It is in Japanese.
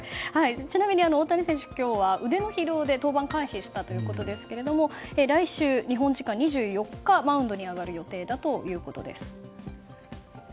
ちなみに大谷選手、今日は腕の疲労で登板を回避したということですが来週、日本時間２４日マウンドに上がる予定だということです。